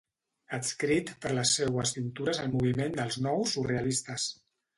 Adscrit per les seues pintures al moviment dels nous surrealistes.